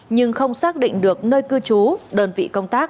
nhưng không xác định được nơi cư trú đơn vị công tác